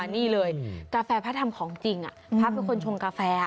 นี่เลยกาแฟพระทำของจริงพระเป็นคนชงกาแฟ